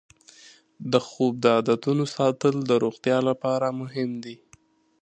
د خوب د عادتونو ساتل د روغتیا لپاره مهم دی.